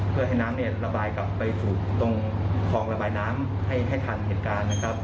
เพื่อให้น้ำระบายกลับไปสู่ตรงคลองระบายน้ำให้ทันเหตุการณ์นะครับ